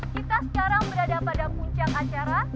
kita sekarang berada pada puncak acara